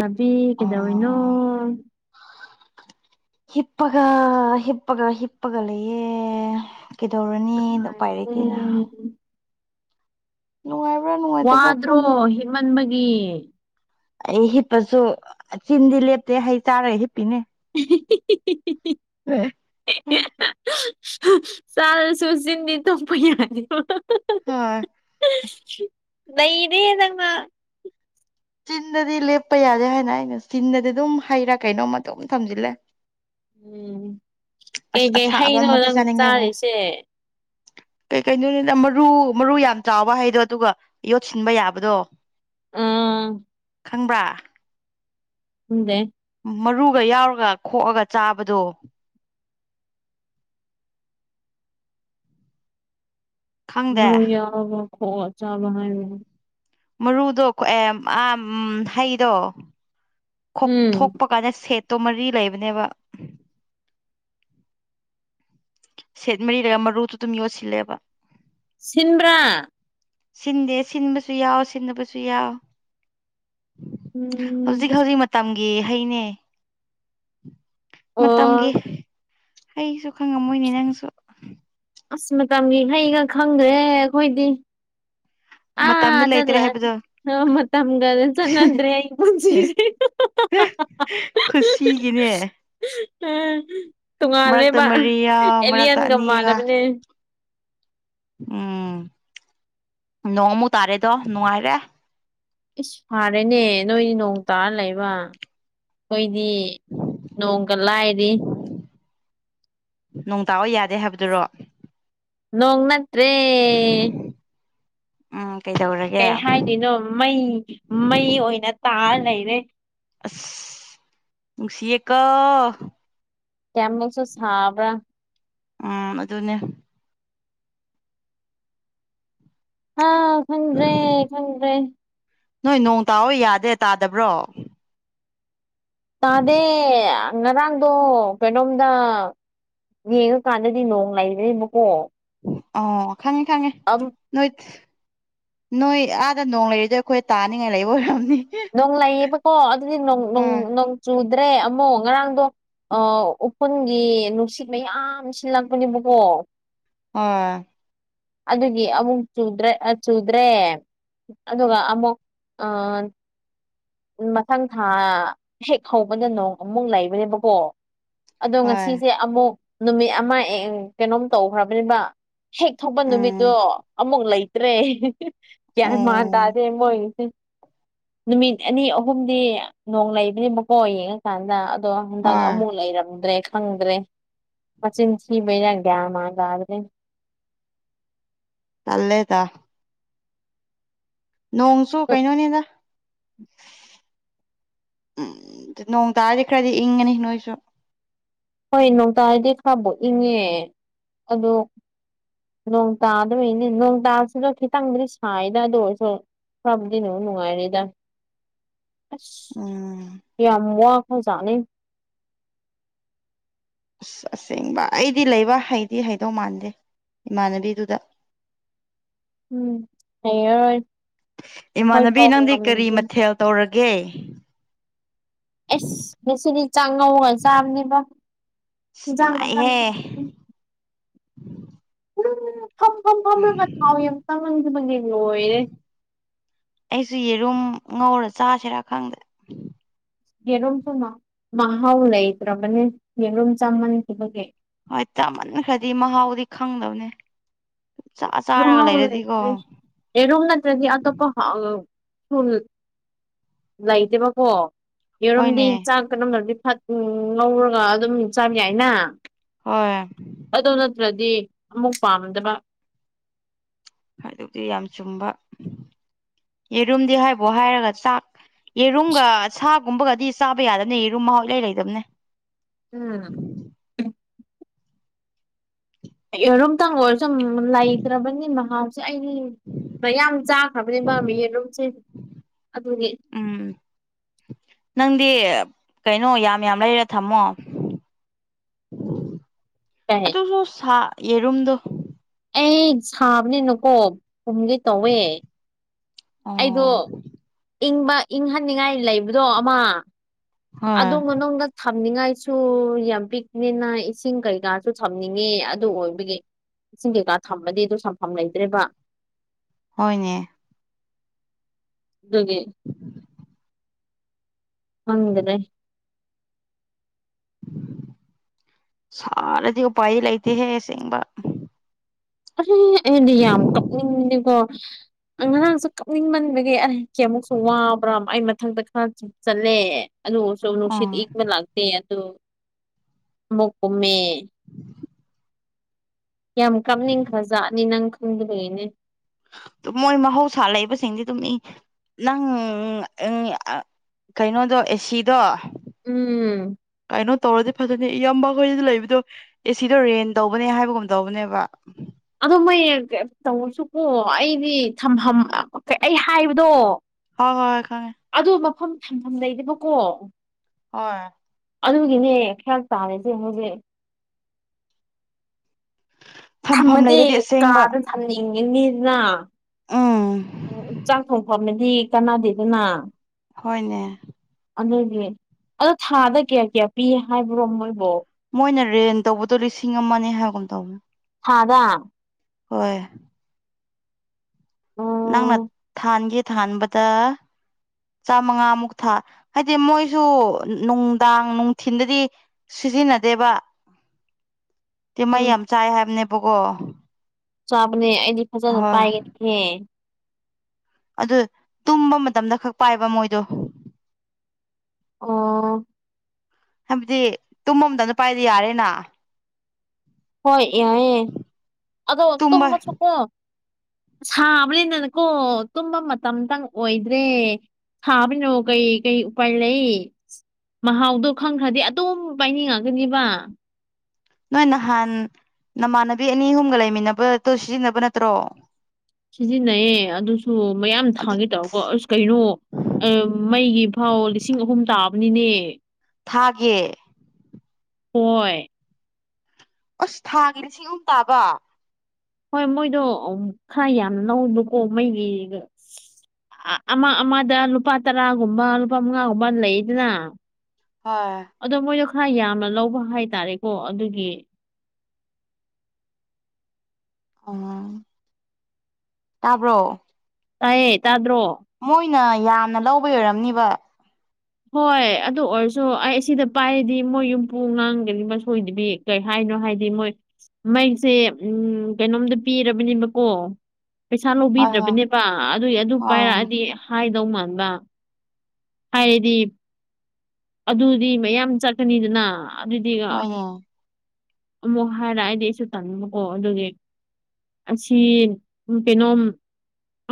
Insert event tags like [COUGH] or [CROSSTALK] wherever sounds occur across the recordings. ꯑꯕꯤ ꯀꯩꯗꯧꯔꯤꯅꯣ ꯑꯣ ꯍꯤꯞꯄꯒ ꯍꯤꯞꯄꯒ ꯍꯤꯞꯄꯒ ꯂꯩꯌꯦ ꯀꯩꯗꯧꯔꯅꯤ ꯎ ꯄꯥꯏ ꯅꯨꯡꯉꯥꯏꯔꯦ ꯂꯩꯇꯦꯅ ꯅꯨꯡꯉꯥꯏꯕ꯭ꯔꯥ ꯅꯨꯡꯉꯥꯏꯇꯕ꯭ꯔꯥ ꯋꯥꯗ꯭ꯔꯣ ꯈꯪꯗꯦ ꯍꯤꯞꯃꯟꯕꯒꯤ ꯑꯩ ꯍꯤꯞꯄꯁꯨ ꯆꯤꯟꯗꯤ ꯂꯦꯞꯇꯦ ꯍꯩ ꯆꯥꯔꯒ ꯍꯤꯞꯄꯤꯅꯦ [UNINTELLIGIBLE] [UNINTELLIGIBLE] ꯆꯔ ꯁꯖꯤꯅꯤ ꯊ ꯄ ꯌꯥꯅꯤ ꯍꯣꯏ ꯅꯩꯔꯦ ꯅꯪꯅ ꯆꯤꯟꯗꯗꯤ ꯂꯦꯞꯄ ꯌꯥꯗꯦ ꯍꯥꯏꯅ ꯑꯩꯅ ꯆꯤꯟꯗꯗꯤ ꯑꯗꯨꯝ ꯍꯩꯔꯥ ꯀꯩꯅꯣꯝꯃ ꯑꯗꯨꯝ ꯊꯝꯖꯤꯜꯂꯦ ꯎꯝ ꯑꯁ ꯀꯩꯀꯩ ꯑꯁꯥꯕ ꯍꯩꯅꯣ ꯑꯃꯗꯤ ꯅꯪ ꯆꯠꯅꯤꯡꯉꯦꯕꯣ ꯆꯥꯔꯤꯁꯦ ꯀꯩ ꯀꯩꯅꯣꯅꯤꯅ ꯃꯔꯨ ꯃꯔꯨ ꯌꯥꯝ ꯆꯥꯎꯕ ꯍꯥꯏꯗꯣ ꯑꯗꯨꯒ ꯌꯣꯠꯁꯤꯟꯕ ꯌꯥꯕꯗꯣ [UNINTELLIGIBLE] ꯈꯪꯕ꯭ꯔꯥ ꯈꯪꯗꯦ ꯃꯔꯨꯒ ꯌꯥꯎꯔꯒ ꯈꯣꯛꯑꯒ ꯆꯥꯕꯗꯣ ꯈꯪꯗꯦ ꯃꯔꯨ ꯌꯥꯕ ꯈꯣ ꯆꯥꯕꯉ ꯃꯔꯨꯗꯣ ꯑꯦ ꯑꯥ ꯍꯩꯗꯣ ꯎꯝ ꯈꯛꯣꯇꯣꯛꯄ ꯀꯥꯟꯗ ꯁꯦꯠꯇꯣ ꯃꯔꯤ ꯂꯩꯕꯅꯦꯕ ꯁꯦꯠ ꯃꯔꯤꯔꯒ ꯃꯔꯨꯗꯨꯣ ꯑꯗꯨꯝ ꯌꯣꯠꯁꯤꯜꯂꯦꯕ ꯁꯤꯟ꯭ꯕꯔꯥ ꯁꯤꯟꯗꯦ ꯁꯤꯟꯕꯁꯨ ꯌꯥꯎ ꯁꯤꯟꯅꯕꯁꯨ ꯌꯥꯎ ꯎꯝ ꯒꯤ ꯍꯩꯅꯦ ꯃꯇꯝꯒꯤ ꯑꯣ ꯍꯩꯁꯨ ꯈꯪꯉꯝ ꯃꯣꯏꯅꯤ ꯅꯪꯁꯨ ꯑꯁ ꯃꯇꯝꯒꯤ ꯍꯩꯒ ꯈꯪꯗ꯭ꯔꯦ ꯑꯩꯈꯣꯏꯗꯤ ꯃꯇꯝꯗꯨ ꯂꯩꯇ꯭ꯔꯦ ꯍꯥꯏꯕꯗꯨꯣ ꯑ ꯃꯝꯒ ꯆꯗ꯭ꯔꯦ ꯑꯩ ꯄꯨꯟꯁꯤ ꯑꯦ ꯈꯨꯁꯤꯒꯤꯅꯦ ꯇꯣꯉꯥꯥꯟ ꯃꯔꯛꯇ ꯂꯩꯕ ꯃꯔꯤ ꯌꯥꯎ ꯃꯔꯛꯇ ꯑꯦꯂꯤꯌꯥꯂꯤꯌꯥꯟꯒ ꯑꯅꯤ ꯌꯥꯎ ꯃꯥꯟꯅꯕꯅꯦ ꯎꯝ ꯅꯣꯡꯃꯨ ꯇꯥꯔꯦꯗꯣ ꯅꯨꯡꯉꯥꯏꯔꯦ ꯏꯁ ꯐꯔꯦꯅꯦ ꯅꯣꯏꯗꯤ ꯅꯣꯡ ꯇꯥꯔ ꯂꯩꯕ ꯅꯣꯏ ꯗꯤ ꯅꯣꯡ ꯀꯂꯑꯗꯤ ꯅꯨꯡ ꯇꯥꯛꯑꯣ ꯌꯥꯗꯦ ꯍꯥꯏꯕꯗꯨꯔꯣ ꯅꯣꯡ ꯅꯠꯇ꯭ꯔꯦ ꯑ ꯀꯩ ꯍꯥꯏꯗꯣꯏꯅꯣ ꯃꯩ ꯃꯩ ꯑꯣꯏꯅ ꯇꯥꯑ ꯂꯩꯔꯦ ꯑꯁ ꯎꯁꯤ ꯌꯦ ꯀꯣ ꯀꯃꯜꯁꯨ ꯁꯥꯕ ꯎꯝ ꯑꯗꯨꯅꯦ ꯍꯥꯥ ꯈꯟ꯭ꯔꯦ ꯈꯟ꯭ꯔꯦ ꯅꯣꯏ ꯅꯣꯡ ꯇꯥꯑꯣ ꯌꯥꯗꯦ ꯇꯥꯗꯕ꯭ꯔꯣ ꯇꯥꯗꯦ ꯉꯔꯥꯡꯗꯣ ꯀꯩꯅꯣꯝꯗ ꯌꯦꯡꯉꯀꯥꯟꯗꯗꯤ ꯅꯣꯡ ꯂꯩꯔꯦꯕꯀꯣ ꯑꯣ ꯈꯪꯉꯦ ꯈꯪꯉꯦ ꯅꯣꯏ ꯅꯣꯏ ꯑꯥꯗ ꯅꯣꯡ ꯂꯩꯔꯤꯗ ꯑꯩꯈꯣꯏ ꯇꯥꯅꯤꯡꯉꯥꯏ ꯂꯩꯕ ꯑꯣꯏꯔꯝꯅꯤ ꯅꯣꯡ ꯂꯩꯌꯦꯕꯀꯣ ꯑꯗꯨꯗꯤ ꯍꯣꯏ ꯅꯣꯡ ꯆꯨꯗ꯭ꯔꯦ ꯑꯃꯨꯛ ꯉꯔꯥꯡꯗꯣ ꯑ ꯎ꯭ꯔꯨꯟꯒꯤ ꯅꯨꯡꯁꯤꯠ ꯃꯌꯥꯝ ꯁꯤꯜꯂꯛꯄꯅꯦꯕꯀꯣ ꯑ ꯑꯗꯨꯒꯤ ꯑꯃꯨꯛ ꯆꯗ꯭ꯔꯦ ꯆꯨꯗ꯭ꯔꯦ ꯑꯗꯨꯒ ꯑꯃꯨꯛ ꯑ ꯃꯊꯪ ꯊꯥ ꯍꯦꯛ ꯍꯧꯕꯅ ꯅꯣꯡ ꯑꯃꯨꯛ ꯂꯩꯕꯅꯦꯕꯀꯣ ꯑꯗꯣ ꯍꯣꯏ ꯉꯁꯤꯁꯦ ꯑꯃꯨꯛ ꯅꯨꯃꯤꯠ ꯑꯃ ꯀꯩꯅꯣꯝ ꯇꯧꯈ꯭ꯔꯕꯅꯦꯕ ꯍꯦꯛ ꯊꯣꯛꯄ ꯅꯨꯃꯤꯠꯇꯣ ꯎꯝ ꯑꯃꯨꯛ ꯂꯩꯇ꯭ꯔꯦ ꯒ꯭ꯌꯥꯟ ꯃꯥꯟ ꯎꯝ ꯇꯥꯗꯦ ꯃꯣꯏꯒꯤꯁꯦ ꯅꯨꯃꯤꯠ ꯑꯅꯤ ꯑꯍꯨꯝꯗꯤ ꯅꯣꯡ ꯂꯩꯕꯅꯤ ꯃꯀꯣꯛ ꯌꯦꯡꯉꯀꯥꯟꯗ ꯑꯗꯣ ꯍꯟꯗꯪ ꯍꯣꯏ ꯑꯃꯨꯛ ꯂꯩꯔꯝꯗ꯭ꯔꯦ ꯐꯪꯗ꯭ꯔꯦ ꯃꯆꯤꯟ ꯊꯤꯕꯩꯅ ꯒ꯭ꯌꯥꯃꯥ ꯇꯥꯗ꯭ꯔꯦ ꯆꯜꯂꯦꯗ ꯅꯣꯡꯁꯨ ꯀꯩꯅꯣꯅꯦꯗ ꯎꯝ ꯑꯗꯨ ꯅꯣꯡ ꯇꯥꯔꯗꯤ ꯈꯔꯗꯤ ꯏꯪꯉꯅꯤ ꯅꯣꯏꯁꯨ ꯍꯣꯏ ꯅꯣꯡꯇꯔꯗꯤ ꯈꯔꯕꯣꯛ ꯏꯪꯉꯦ ꯑ ꯅꯣꯡ ꯇꯗ ꯏꯅꯦ ꯅꯣꯡ ꯇꯁꯤꯁꯨ ꯈꯤꯇꯪꯗꯤ ꯁꯥꯏꯗ ꯑꯗꯨ ꯑꯣꯏꯔꯁꯨ ꯁꯕꯗꯤꯅꯅꯅꯨꯡꯉꯥꯏꯅꯤꯗ ꯑꯁ ꯎꯝ ꯌꯥꯝꯃꯈꯖꯅꯤꯦ ꯑꯁ ꯑꯁꯦꯡꯕ ꯑꯩꯗꯤ ꯂꯩꯕ ꯍꯩꯗꯤ ꯍꯩꯗꯧ ꯃꯥꯟꯗꯦ ꯏꯃꯥꯟꯅꯕꯤꯗꯨꯗ [INAUDIBLE] ꯎꯝ ꯍꯣꯏ ꯏꯃꯥꯟꯅꯕꯤ ꯅꯪꯗꯤ ꯀꯔꯤ ꯃꯊꯦꯜ ꯇꯧꯔꯒꯦ ꯑꯁ ꯉꯁꯤꯗꯤ ꯆꯥꯛ ꯉꯧꯔꯒ ꯆꯥꯕꯅꯦꯕ ꯑꯁ ꯆꯝ ꯆ ꯅꯨꯡꯉꯥꯏꯍꯦ ꯎ ꯐꯝ ꯐꯝ ꯐꯝꯂꯤꯒ ꯊꯥꯎ ꯌꯥꯝꯇꯪꯍꯟꯈꯤꯕ ꯃ ꯌꯦꯡ ꯂꯣꯏꯔꯦ ꯑꯩꯁꯨ ꯌꯦꯔꯨꯝ ꯉꯧꯔ ꯆꯥꯁꯤꯔꯥ ꯈꯪꯗꯦ ꯌꯦꯔꯨꯝ ꯊꯨꯝꯅ ꯃꯍꯥꯎ ꯂꯩꯇ꯭ꯔꯕꯅꯦ ꯌꯦꯔꯨꯝ ꯆꯥꯃꯟꯈꯤꯕꯒꯤ ꯍꯣꯏ ꯆꯃꯟꯈ꯭ꯔꯗꯤ ꯃꯍꯥꯎꯗꯤ ꯈꯪꯗꯕꯅꯦ ꯆꯥ ꯍ ꯆꯥꯔꯒ ꯂꯩꯔꯗꯤꯀꯣ ꯍꯔꯣ ꯅꯠꯇ꯭ꯔꯗꯤ ꯑꯇꯣꯞꯄ ꯁꯨ ꯂꯩꯇꯦꯕꯀꯣ ꯍꯣꯏꯅꯦ ꯌꯦꯔꯝꯗꯤꯟ ꯆꯥꯛ ꯀꯅꯝꯅꯗꯤ ꯎ ꯉꯔꯒ ꯑꯗꯨꯝ ꯆꯥꯕ ꯌꯥꯏꯅ ꯑꯣ ꯑꯗꯨ ꯅꯠꯇ꯭ꯔꯗꯤ ꯑꯃꯨꯛ ꯄꯥꯝꯗꯕ ꯍꯥꯏꯗꯧꯗꯤ ꯌꯥꯝ ꯆꯨꯝꯕ ꯌꯦꯔꯨꯝꯗꯤ ꯍꯥꯏꯕꯣ ꯍꯥꯏꯔꯒ ꯆꯥꯛ ꯌꯦꯔꯨꯝꯒ ꯁꯥꯒꯨꯝꯕꯒꯗꯤ ꯆꯥꯕ ꯌꯥꯗꯕꯅꯦ ꯌꯦꯔꯨꯝ ꯃꯍꯥꯎ ꯂꯩꯔꯗꯕꯅꯦ ꯎꯝ ꯔꯣꯝꯇꯪ ꯑꯣꯏꯔꯁꯨꯨꯝ ꯂꯩꯈ꯭ꯔꯕꯅꯤ ꯃꯍ ꯁꯤ ꯑꯩꯅꯤ ꯃꯌꯥꯝ ꯆꯥꯈ꯭ꯔꯕꯅꯦ ꯃꯥꯝꯃꯤ ꯌꯦꯔꯨꯝꯁꯦ ꯑꯗꯨꯒꯤ [UNINTELLIGIBLE] ꯎꯝ ꯅꯪꯗꯤ ꯀꯩꯅꯣ ꯌꯥꯝ ꯌꯥꯝ ꯂꯩꯔꯦ ꯊꯝꯃꯣ ꯀꯩ ꯑꯗꯨꯁꯨ ꯁꯥ ꯌꯦꯔꯨꯝꯗꯣ ꯑꯩ ꯁꯥꯕꯅꯤꯅꯨꯀꯣ ꯄꯨꯝꯗꯤꯩ ꯇꯧꯋꯦ ꯑ ꯑꯩꯗꯣ ꯏꯪꯕ ꯏꯪꯍꯟꯅꯤꯡꯉꯥꯏ ꯂꯩꯕꯗꯣ ꯑꯃ ꯍꯣꯏ ꯑꯗꯨꯗ ꯊꯝꯅꯤꯡꯉꯥꯏꯁꯨ ꯌꯥꯝ ꯄꯤꯛꯅꯤꯅ ꯏꯁꯤꯡ ꯀꯩꯀꯥꯁꯨ ꯊꯝꯅꯤꯡꯉꯦ ꯑꯗꯨ ꯑꯣꯏꯕꯒꯤ ꯏꯁꯤꯡ ꯀꯩꯀꯥ ꯊꯝꯃꯗꯤ ꯑꯗꯨ ꯁꯝꯐꯝ ꯂꯩꯇ꯭ꯔꯦꯕ ꯍꯣꯏꯅꯦ ꯑꯗꯨꯗꯒꯤ ꯍꯪꯗꯅꯦꯦ ꯁꯔꯦꯗꯤ ꯎ ꯄꯥꯏ ꯂꯩꯇ ꯍꯦ ꯁꯦꯡꯕ ꯑꯩ ꯑꯗꯤ ꯌꯥꯝ ꯀꯞꯅꯤꯡꯅꯤꯀꯣ ꯉꯔꯥꯡꯁꯨ ꯀꯞꯅꯤꯡꯃꯟꯕ ꯒꯤ ꯑꯩꯁꯦ ꯑꯃꯨꯛꯁꯨ ꯋꯥꯕ꯭ꯔꯥ ꯑꯩ ꯃꯊꯪꯗ ꯈꯔ ꯆꯠꯂꯦ ꯑꯗꯨꯁꯨ ꯅꯨꯡꯁꯤꯠ ꯑꯣ ꯏꯪꯄ ꯂꯥꯛꯇꯦ ꯑꯗꯨ ꯑꯃꯨꯛ ꯀꯨꯝꯃꯦ [UNINTELLIGIBLE] ꯌꯥꯝ ꯀꯥꯞꯅꯤꯡꯈ꯭ꯔꯖꯠꯅꯤ ꯅꯪ ꯈꯪꯗꯗꯏꯅꯦ ꯃꯣꯏ ꯃꯍꯧꯁꯥ ꯂꯩꯕꯁꯤꯡꯗꯤ ꯑꯗꯨꯝ ꯏ ꯅꯪ ꯀꯩꯅꯣꯗꯣ ꯑꯦꯁꯤꯗꯣ ꯎꯝ ꯀꯩꯅꯣ ꯇꯧꯔꯗꯤ ꯐꯖꯅꯦ ꯏꯌꯥꯝꯕ ꯑꯩꯈꯣꯏ ꯂꯩꯕꯗꯣ ꯑꯦꯁꯤꯗꯣ ꯔꯦꯟ ꯇꯧꯕꯅꯦ ꯍꯥꯏꯕꯒꯨꯝ ꯇꯧꯕꯅꯦꯕ ꯅꯉꯩꯅ ꯇꯧꯔꯁꯨꯀꯣ ꯑꯩꯗꯤ ꯊꯝꯐꯝ ꯑꯩ ꯍꯥꯏꯕꯗꯣ ꯍ ꯍꯣꯏ ꯑꯦꯈ ꯑꯗꯨ ꯃꯐꯝ ꯊꯝꯐꯝ ꯂꯩꯕꯀꯣ ꯑ ꯑꯗꯨꯒꯤꯅꯦ ꯈꯔ ꯇꯥꯔꯁꯦ ꯍꯧꯖꯤꯛ ꯊꯝꯐꯝ ꯊꯝꯃꯗꯤ ꯂꯩꯔꯗꯤ ꯑꯁꯦꯡꯕ ꯀꯥꯗ ꯊꯝꯅꯤꯡꯉꯤꯅꯤꯅ ꯎꯝ ꯎ ꯆꯥꯛ ꯊꯣꯡꯐꯝꯅꯗꯤ ꯀꯅꯥꯗ ꯑꯗꯨꯅ ꯍꯣꯏꯅꯦ ꯑꯗꯨꯗꯤ ꯑꯗꯣ ꯊꯥꯗ ꯀꯌꯥ ꯀꯌꯥ ꯄꯤ ꯍꯥꯏꯕ꯭ꯔꯣ ꯃꯣꯏꯕꯨꯣ ꯃꯣꯏꯅ ꯔꯦꯟ ꯇꯧꯕꯗꯣ ꯂꯤꯁꯤꯡ ꯑꯃꯅꯦ ꯍꯥꯏꯒꯨꯝ ꯇꯧꯋꯦ ꯍꯗ ꯍꯣꯏ ꯅꯪꯅ ꯑꯣ ꯊꯥꯟꯒꯦ ꯊꯥꯟꯕꯗ ꯆꯥꯃꯉꯥꯃꯨꯛ ꯊꯥ ꯍꯥꯏꯗꯤ ꯃꯣꯏꯁꯨ ꯅꯨꯡꯗꯥꯡ ꯅꯨꯡꯊꯤꯟꯗꯗꯤ ꯁꯤꯖꯤꯟꯅꯗꯦꯕ [UNINTELLIGIBLE] ꯇ ꯃꯩ ꯌꯥꯝ ꯆꯥꯏ ꯍꯥꯏꯕꯅꯦꯕꯀꯣ ꯆꯥꯕꯅꯦ ꯑꯩꯗꯤ ꯐꯖꯅ ꯍꯣꯏ ꯄꯥꯏꯒꯦ ꯑꯗꯨ ꯇꯨꯝꯕ ꯃꯇꯝꯗ ꯈꯛ ꯄꯥꯏꯕ ꯃꯣꯏꯗꯣ ꯑꯣ ꯍꯥꯏꯕꯗꯤ ꯇꯨꯝꯃꯝꯗꯅ ꯄꯥꯏꯗꯤ ꯌꯥꯔꯦꯅ ꯍꯣꯏ ꯌꯥꯏꯑꯦ ꯑꯗꯣ ꯇꯨꯝꯕ ꯇꯨꯝꯕꯁꯨꯀꯣ ꯁꯥꯕꯅꯤꯅꯅꯀꯣ ꯇꯨꯝꯕ ꯃꯇꯝꯇꯪ ꯑꯣꯏꯗ꯭ꯔꯦ ꯍꯥꯥꯕꯅ ꯀꯩ ꯀꯩ ꯎꯔ ꯂꯩ ꯃꯍꯥꯎꯗꯣ ꯈꯪꯈ꯭ꯔꯗꯤ ꯑꯗꯨꯝ ꯄꯥꯏꯅꯤꯡꯉꯒꯅꯦꯕ ꯅꯣꯏ ꯅꯍꯥꯟ ꯅꯃꯥꯟꯅꯕꯤ ꯑꯅꯤ ꯑꯍꯨꯝꯒ ꯂꯩꯃꯤꯟꯅꯕꯗꯣ ꯁꯤꯖꯤꯟꯅꯕ ꯅꯠꯇ꯭ꯔꯣ ꯁꯤꯖꯤꯟꯅꯩꯌꯦ ꯑꯗꯨꯁꯨ ꯃꯌꯥꯝ ꯑꯗꯨ ꯊꯥꯡꯒꯦ ꯇꯧꯔꯀꯣ ꯑꯁ ꯀꯩꯅꯣ ꯃꯩꯒꯤ ꯐꯥꯎ ꯂꯤꯁꯤꯡ ꯑꯍꯨꯝ ꯇꯥꯕꯅꯤꯅꯦ ꯊꯥꯒꯦ ꯍꯣꯏ ꯑꯁ ꯊꯥꯒꯤ ꯂꯤꯁꯤꯡ ꯑꯍꯨꯝ ꯇꯥꯕ ꯍꯣꯏ ꯃꯣꯏꯗꯣ ꯈꯔ ꯌꯥꯝ ꯂꯧꯕꯀꯣ ꯃꯩꯒꯤꯗ ꯑꯃ ꯑꯃꯗ ꯂꯨꯄꯥ ꯇꯔꯥꯒꯨꯝꯕ ꯂꯨꯄꯥ ꯃꯉꯥꯒꯨꯝꯕ ꯂꯩꯗꯅ ꯍꯣꯏ ꯍꯥꯏ ꯌꯥꯝꯅ ꯂꯧꯕ ꯍꯥꯏꯇꯥꯔꯦꯀꯣ ꯑꯗꯨꯒꯤ ꯑ ꯑꯣ ꯇꯥꯕ꯭ꯔꯣ ꯇꯥꯏꯌꯦ ꯇꯥꯗ꯭ꯔꯣ ꯑꯩꯅ ꯌꯥꯝꯅ ꯂꯧꯕ ꯑꯣꯏꯔꯝꯅꯤꯕ ꯍꯣꯏ ꯑꯗꯨ ꯑꯣꯏꯔꯁꯨ ꯑꯩ ꯁꯤꯗ ꯄꯥꯏꯔꯤꯗꯤ ꯃꯣꯏ ꯌꯨꯝꯄꯨ ꯉꯥꯡꯒꯗꯤ ꯃꯁꯣꯏꯗꯕꯤ ꯀꯩ ꯍꯥꯏ ꯀꯩꯅꯣ ꯍꯥꯏꯗꯤ ꯃꯣꯏ ꯃꯩꯁꯦ ꯎꯝ ꯀꯩꯅꯣꯝꯗ ꯄꯤꯔꯕꯅꯦꯕꯀꯣ ꯄꯩꯁꯥ ꯍꯣꯏ ꯍꯣꯏ ꯂꯧꯕꯤꯗ꯭ꯔꯕꯅꯦꯕ ꯑꯗꯨꯒꯤ ꯑꯗꯨ ꯍꯣꯏ ꯄꯥꯏꯔꯛꯑꯗꯤ ꯍꯥꯏ ꯇꯧ ꯃꯥꯟꯕ ꯍꯥꯏꯔꯗꯤ ꯑꯗꯨꯗꯤ ꯃꯌꯥꯝ ꯆꯠꯀꯅꯤꯗꯅ ꯑꯗꯨꯗꯤꯒ ꯍꯣꯏꯅꯦ ꯑꯃꯨꯛ ꯍꯥꯏꯔ ꯑꯩꯗꯤ ꯑꯩꯁꯨ ꯇꯝꯕꯀꯣ ꯑꯗꯨꯒꯤ ꯑꯁꯤ ꯀꯩꯅꯣꯝ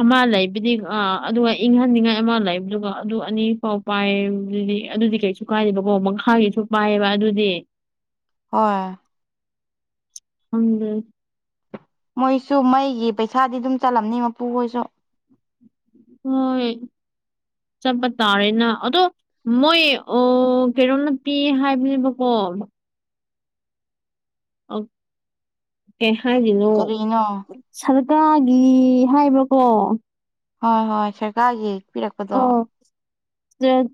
ꯑꯃ ꯂꯩꯕꯗꯤ ꯑ ꯑꯗꯨꯒ ꯏꯪꯍꯟꯅꯤꯡꯉꯥꯏ ꯑꯃ ꯂꯩꯕꯗꯨꯒ ꯑꯗꯨ ꯑꯅꯤ ꯐꯥꯎ ꯄꯥꯏ ꯑꯗꯨꯗꯤ ꯑꯗꯨꯗꯤ ꯀꯩꯁꯨ ꯀꯥꯏꯗꯦꯕꯀꯣ ꯃꯈꯥꯒꯤꯁꯨ ꯄꯥꯏꯌꯦꯕ ꯑꯗꯨꯗꯤ ꯍꯣꯏ ꯍꯪ ꯃꯣꯏꯁꯨ ꯃꯩꯒꯤ ꯄꯩꯁꯥꯗꯤ ꯑꯗꯨꯝ ꯆꯠꯂꯝꯅꯤ ꯃꯄꯨ ꯍꯣꯏꯁꯨ ꯍꯣꯏ ꯆꯠꯄ ꯇꯥꯔꯦꯅ ꯑꯗꯣ ꯃꯣꯏ ꯑꯣ ꯀꯩꯅꯣꯝ ꯅꯨꯄꯤꯤ ꯍꯥꯏꯕꯅꯦꯕꯀꯣ ꯑ ꯀꯩ ꯍꯥꯏꯔꯤꯅꯣ ꯀꯔꯤꯅꯣ ꯁꯔꯀꯥꯔꯒꯤ ꯍꯥꯏꯕ꯭ꯔꯀꯣ ꯍꯣꯏ ꯍꯣꯏ ꯁꯔꯀꯥꯔꯒꯤ ꯄꯤꯔꯛꯄꯗꯣ ꯑꯣ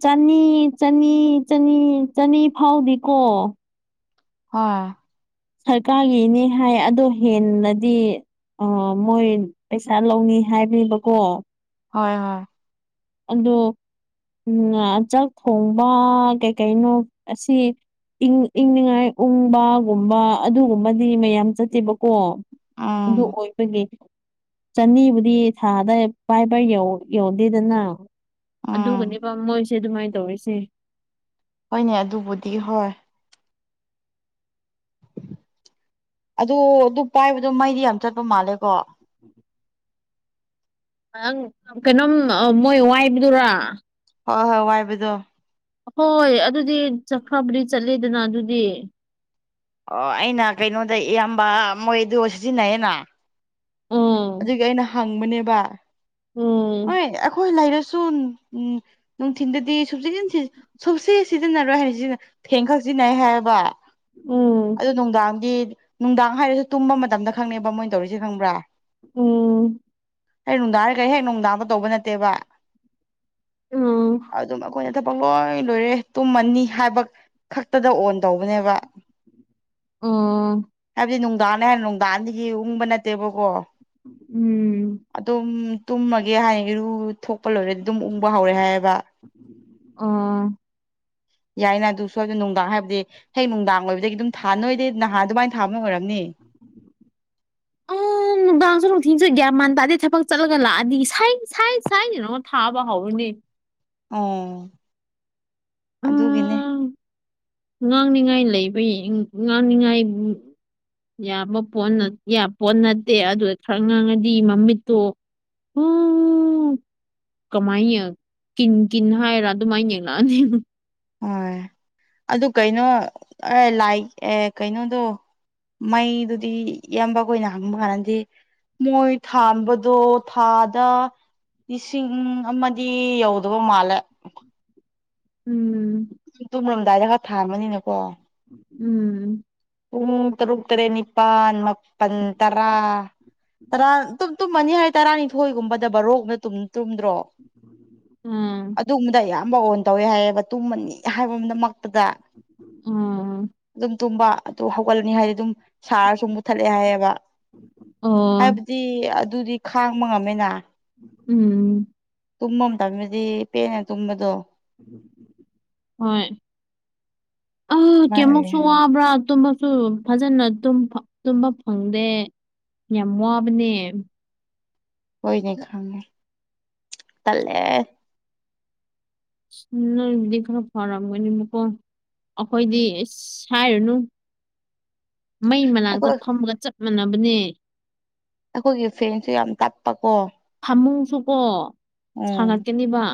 ꯆꯅꯤ ꯆꯅꯤ ꯆꯅꯤ ꯆꯅꯤ ꯐꯥꯎꯗꯤꯀꯣ ꯑ ꯁꯔꯀꯥꯔꯒꯤꯅꯤ ꯍꯥꯏ ꯑꯗꯣ ꯍꯦꯟꯅꯗꯤ ꯑ ꯃꯣꯏ ꯄꯩꯁꯥ ꯂꯧꯅꯤ ꯍꯥꯏꯕꯅꯦꯕꯀꯣ ꯍꯣꯏ ꯍꯣꯏ ꯑꯗꯣ ꯎꯝ ꯆꯥꯛ ꯊꯣꯡꯕ ꯀꯩ ꯀꯩꯅꯣ ꯑꯁꯤ ꯏꯪ ꯏꯪꯅꯤꯡꯉꯥꯏ ꯎꯪꯕꯒꯨꯝꯕ ꯑꯗꯨꯒꯨꯝꯕꯗꯤ ꯃꯌꯥꯝ ꯆꯠꯇꯦꯕ ꯀꯣ ꯎꯝ ꯑꯗꯨ ꯑꯣꯏꯕꯒꯤꯦ ꯆꯅꯤꯕꯨꯗꯤ ꯊꯥꯗ ꯄꯥꯏ ꯄꯥꯏ ꯌꯧꯗꯦꯗꯅ ꯎꯝ ꯑꯗꯨꯒꯅꯦꯕ ꯃꯣꯏꯁꯦ ꯑꯗꯨꯃꯥꯏꯅ ꯇꯧꯔꯤꯁꯦ ꯍꯣꯏꯅꯦ ꯑꯗꯨꯕꯨꯗꯤ ꯍꯣꯏ ꯑꯗꯨ ꯑꯗꯨ ꯄꯥꯏꯕꯗꯣ ꯃꯩꯗꯤ ꯌꯥꯝ ꯆꯠꯄ ꯃꯥꯜꯂꯦꯀꯣ ꯅꯪ ꯀꯩꯅꯣꯝ ꯃꯣꯏ ꯋꯥꯏꯕꯗꯨꯔꯥ ꯍꯣꯏ ꯍꯣꯏ ꯋꯥꯏꯕꯗꯣ ꯍꯣꯏ ꯑꯗꯨꯗꯤ ꯆꯈ꯭ꯔꯕꯗꯤ ꯆꯠꯂꯦꯗꯅ ꯑꯗꯨꯗꯤ ꯑꯣ ꯑꯩꯅ ꯀꯩꯅꯣꯗ ꯏꯌꯥꯝꯕ ꯃꯣꯏꯗ ꯁꯤꯖꯤꯟꯅꯩꯌꯦꯦꯅ ꯎꯝ ꯑꯗꯨꯒꯤ ꯑꯩꯅ ꯍꯪꯕꯅꯦꯕ ꯍꯣꯏ ꯎꯝ ꯑꯩꯈꯣꯏ ꯂꯩꯔꯁꯨ ꯁ ꯎꯝ ꯅꯨꯡꯊꯤꯟꯗꯗꯤ ꯁꯨꯞ ꯁꯨꯞꯁ ꯁꯤꯖꯤꯟꯅꯔꯣꯏ ꯍꯥꯏꯅ ꯁꯤꯅ ꯊꯦꯡ ꯈ ꯖꯤ ꯅꯥꯏ ꯍꯥꯏꯦꯕ ꯎꯝ ꯑꯗꯨ ꯅꯨꯡꯗꯥꯡꯗꯤ ꯅꯨꯡꯗꯥꯡ ꯍꯥꯏꯔꯁꯨ ꯇꯨꯝꯕ ꯃꯇꯝꯗ ꯈꯪꯅꯦꯕ ꯃꯣꯏꯅ ꯇꯧꯔꯤꯁꯦ ꯈꯪꯕ꯭ꯔꯥ ꯎꯝ ꯑꯩ ꯅꯨꯡꯗꯥꯡꯔꯒꯔꯤ ꯍꯦꯛ ꯅꯨꯡꯗꯥꯡꯕ ꯇꯧꯕ ꯅꯠꯇꯦꯕ ꯎꯝ ꯑꯗꯨꯝ ꯊꯕꯛ ꯂꯣꯏ ꯂꯣꯏꯔꯦ ꯇꯨꯝꯃꯅꯤ ꯍꯥꯏꯕ ꯈꯛꯇꯗ ꯑꯣꯟ ꯇꯧꯕꯅꯦꯕ ꯎꯝ ꯍꯥꯏꯕꯗꯤ ꯅꯨꯡꯗꯥꯡ ꯍꯥꯏ ꯅꯨꯡꯗꯥꯟꯗꯒꯤ ꯎꯪꯕ ꯅꯠꯇꯦꯕꯀꯣ ꯎꯝ ꯇꯨꯝꯃꯒꯤ ꯍꯥꯏꯔ ꯊꯣꯛꯄ ꯂꯣꯏꯔꯦ ꯑꯗꯨꯝ ꯎꯪꯕ ꯍꯧꯔꯦ ꯍꯥꯏꯌꯦꯕ ꯑꯣ ꯌꯥꯏꯅ ꯑꯗꯨ ꯁꯣꯏꯗꯅ ꯅꯨꯡꯗꯥꯡ ꯍꯥꯏꯕꯗꯤ ꯍꯌꯦ ꯅꯨꯡꯗꯥꯡ ꯑꯣꯏꯕꯗꯒꯤ ꯑꯗꯨꯝ ꯊꯥ ꯅꯣꯏꯗꯗꯤ ꯅꯍꯥꯟ ꯑꯗꯨꯃꯥꯏꯅ ꯊꯥꯕꯅ ꯑꯣꯏꯔꯝꯅꯤ ꯑ ꯅꯨꯡꯗꯥꯡꯁꯨ ꯅꯨꯡꯊꯤꯟꯁꯨ ꯒ꯭ꯌꯥ ꯃꯟ ꯇꯥꯗꯦ ꯊꯕꯛ ꯆꯠꯂꯒ ꯂꯥꯛꯑꯗꯤ ꯁꯥꯏ ꯁꯥꯏ ꯁꯥꯏꯅꯅ ꯑꯃ ꯊꯥꯕ ꯍꯧꯔꯅꯦ ꯑꯣ ꯎ ꯑꯗꯨꯒꯤꯅꯦ ꯉꯥꯡꯅꯤꯉꯥꯏꯅꯤ ꯂꯩꯕ ꯉꯥꯡꯅꯤꯡꯉꯥꯏ ꯌꯥꯕ ꯄꯣꯠ ꯅꯠꯇꯦ ꯑꯗꯨ ꯈꯔ ꯉꯥꯡꯉꯗꯤ ꯃꯃꯤꯠꯇꯣ ꯎꯝ ꯎꯝ ꯀꯃꯥꯏꯅ ꯀꯤꯟ ꯀꯤꯟ ꯍꯥꯏꯔ ꯑꯗꯨꯃꯥꯏꯅ ꯌꯦꯡꯉꯛꯑꯅꯤ ꯍꯣꯏ ꯑꯗꯨ ꯀꯩꯅꯣ ꯑꯦ ꯂꯥꯏ ꯑꯦ ꯀꯩꯅꯣꯗꯣ ꯃꯩꯗꯨꯗꯤ ꯏꯌꯥꯝꯕ ꯀ ꯑꯣꯏꯅ ꯍꯪꯕ ꯃꯥꯟꯅꯗꯤꯦ ꯃꯣꯏ ꯊꯥꯟꯕꯗꯣ ꯊꯥꯗ ꯂꯤꯁꯤꯡ ꯑꯃꯗꯤ ꯌꯧꯗꯕ ꯃꯥꯜꯂꯦ ꯎꯝ ꯇꯨꯝꯃꯔꯝꯗꯥꯏꯗ ꯈꯔ ꯊꯥꯝꯃꯅꯤꯅꯦꯀꯣ ꯎꯝ ꯄꯨꯡ ꯇꯔꯨꯛ ꯇꯔꯦꯠ ꯅꯤꯄꯥꯜ ꯃꯥꯄꯜ ꯇꯔꯥ ꯇꯔꯥ ꯇꯨꯝꯃꯅꯤ ꯍꯥꯏ ꯇꯔꯥꯅꯤꯊꯣꯏꯒꯨꯝꯕꯗꯕ ꯔꯣꯛꯅꯨꯝ ꯇꯨꯝꯗ꯭ꯔꯣ ꯎꯝ ꯑꯗꯨꯒꯨꯝꯕꯗ ꯑꯌꯥꯝꯕ ꯑꯣꯟ ꯇꯧꯋꯦ ꯍꯥꯏꯌꯦꯕ ꯇꯨꯝꯃꯅꯤ ꯍꯥꯏꯕꯗꯃꯛꯇꯗ ꯎꯝ ꯇꯨꯝꯕ ꯑꯗꯨ ꯍꯧꯒꯠꯂꯅꯤ ꯍꯥꯏꯗꯤ ꯑꯗꯨꯝ ꯁꯥꯔꯁꯨ ꯃꯨꯊꯠꯂꯦ ꯍꯥꯏꯌꯦꯕ ꯑꯣ ꯍꯥꯏꯕꯗꯤ ꯑꯗꯨꯗꯤ ꯈꯥꯡꯕ ꯉꯝꯃꯤꯅ ꯎꯝ ꯇꯨꯝꯕ ꯑꯃ ꯇꯅꯗꯤ ꯄꯦꯅ ꯇꯨꯝꯕꯗꯣ ꯍꯣꯏ ꯑ ꯑꯗꯨꯃꯥꯏꯅ ꯑꯣꯏꯌꯦ ꯀꯃꯁꯨ ꯍꯥꯏ ꯋꯥꯕ꯭ꯔꯥ ꯑꯗꯨ ꯁꯨ ꯐꯖꯅ ꯇꯨꯝꯕ ꯐꯪꯗꯦ ꯌꯥꯝ ꯋꯥꯕꯅꯦ ꯀꯣꯏ ꯅ ꯈꯥꯦ ꯇꯜꯂꯦ ꯗꯤ ꯈꯔ ꯐꯔꯝꯒꯅꯤ ꯃꯀꯣ ꯑꯩꯈꯣꯏꯗꯤ ꯍꯥꯏꯔꯨꯅꯨ ꯃꯩ ꯃꯅꯥꯛꯇ ꯑꯩꯈꯣꯏ ꯐꯝꯃꯒ ꯆꯞ ꯃꯥꯟꯅꯕꯅꯦ ꯑꯩꯈꯣꯏꯒꯤ ꯐ꯭ꯔꯦꯟꯁꯨ ꯌꯥꯝ ꯇꯠꯄ ꯀꯣ ꯑꯃꯃꯨꯡꯁꯨꯀꯣ ꯎꯝ ꯁꯥꯒꯠꯀꯅꯤꯕ